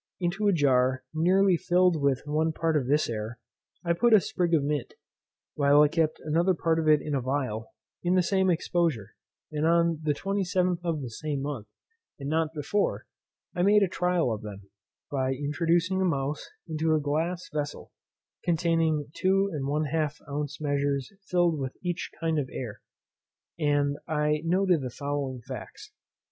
Into a jar nearly filled with one part of this air, I put a sprig of mint, while I kept another part of it in a phial, in the same exposure; and on the 27th of the same month, and not before, I made a trial of them, by introducing a mouse into a glass vessel, containing 2 1/2 ounce measures filled with each kind of air; and I noted the following facts.